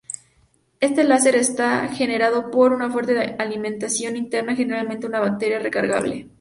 Este láser está generado por una fuente de alimentación interna, generalmente una batería recargable.